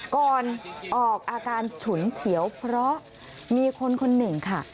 ก่อนออกอาการฉุนเฉียวเพราะมีคนคนหนึ่งค่ะ